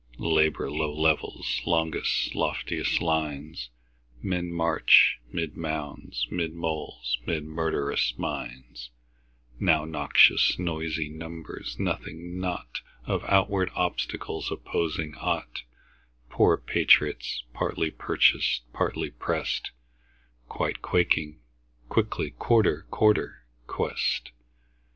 Labor low levels longest, lofiest lines; Men march 'mid mounds, 'mid moles, ' mid murderous mines; Now noxious, noisey numbers nothing, naught Of outward obstacles, opposing ought; Poor patriots, partly purchased, partly pressed, Quite quaking, quickly "Quarter! Quarter!" quest.